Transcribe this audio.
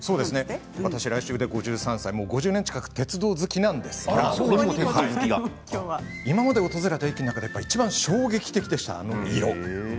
来週で５３歳なんですが５０年近く鉄道好きなんですけれど今まで訪れた駅の中でいちばん衝撃的でした、あの色。